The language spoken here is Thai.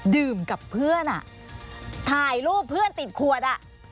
ดื่มกับเพื่อนอ่ะถ่ายรูปเพื่อนติดขวดอ่ะ